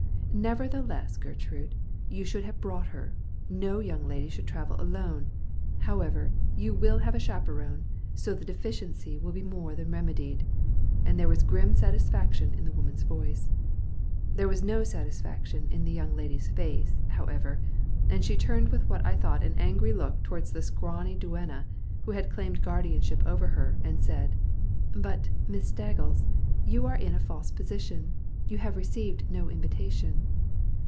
"Nevertheless, Gertrude, you should have brought her; no young lady should travel alone. However, you will have a chaperon, so the deficiency will be more than remedied;" and there was grim satisfaction in the woman's voice. There was no satisfaction in the young lady's face, however, and she turned with what I thought an angry look towards the scrawny duenna, who had claimed guardianship over her, and said "But, Miss Staggles, you are in a false position. You have received no invitation."